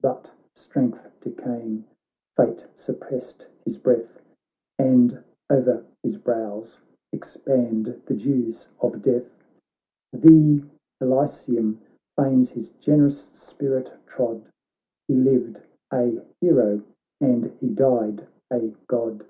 But strength decayiag, fate supprest his breath, And o'er his brows expand the dews of death ; The Elysium plains his generous spirit trod, ' He lived a Hero and he died a God.'